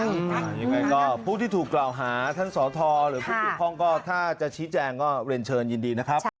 ยังไงก็ผู้ที่ถูกกล่าวหาท่านสอทรหรือผู้เกี่ยวข้องก็ถ้าจะชี้แจงก็เรียนเชิญยินดีนะครับ